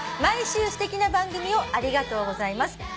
「毎週すてきな番組をありがとうございます」